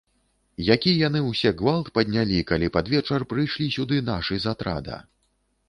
Які яны ўсе гвалт паднялі, калі пад вечар прыйшлі сюды нашы з атрада.